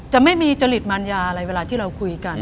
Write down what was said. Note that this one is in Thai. จะไม่มีจริตมัญญาอะไรเวลาที่เราคุยกัน